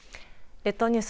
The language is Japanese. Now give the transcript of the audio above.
列島ニュース